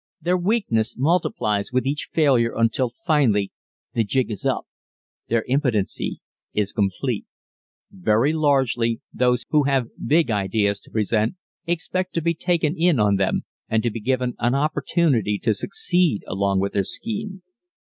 Their weakness multiplies with each failure until finally "the jig is up" their impotency is complete. Very largely those who have big ideas to present expect to be taken in on them and to be given an opportunity to succeed along with their scheme.